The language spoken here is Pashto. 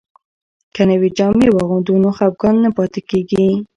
که نوې جامې واغوندو نو خپګان نه پاتې کیږي.